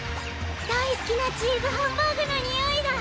だいすきなチーズハンバーグのにおいだ。